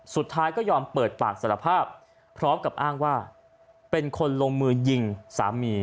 สุดท้ายก็ยอมเปิดปากสารภาพพร้อมกับอ้างว่าเป็นคนลงมือยิงสามี